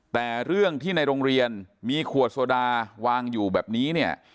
แต่เรื่องที่ในโรงเรียนมีขวดโซดาวางอยู่แบบนี้เนี่ย